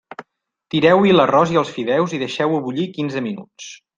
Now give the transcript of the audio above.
Tireu-hi l'arròs i els fideus i deixeu-ho bullir quinze minuts.